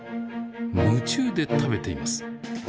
夢中で食べています。